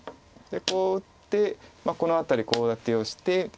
こう打ってこの辺りコウ立てをして。